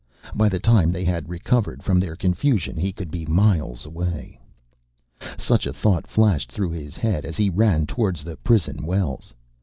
By the time they had recovered from their confusion he could be miles away. Such a thought flashed through his head as he ran towards the prison wells.